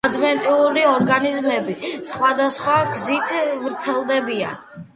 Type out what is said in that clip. ადვენტიური ორგანიზმები სხვადასხვა გზით ვრცელდება.